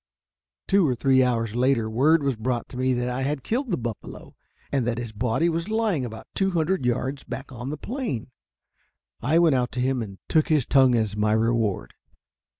Two or three hours later, word was brought me that I had killed the buffalo, and that his body was lying about two hundred yards back on the plain. I went out to him and took his tongue as my reward.